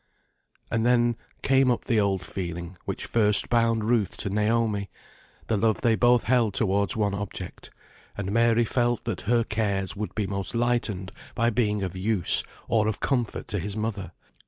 And then came up the old feeling which first bound Ruth to Naomi; the love they both held towards one object; and Mary felt that her cares would be most lightened by being of use, or of comfort to his mother.